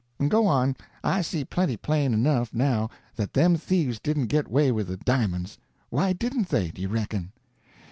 Go on—I see plenty plain enough, now, that them thieves didn't get way with the di'monds. Why didn't they, do you reckon?"